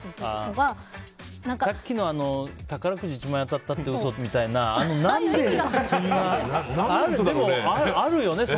さっきの宝くじ１万円当たったって嘘みたいなのは何でそんなってあるよね。